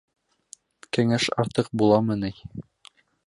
Кәңәш артыҡ буламы ни?